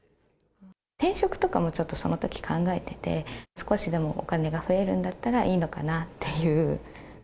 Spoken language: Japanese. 転職とかも、ちょっとそのとき考えてて、少しでもお金が増えるんだったらいいのかなっていう。